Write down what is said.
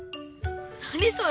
何それ？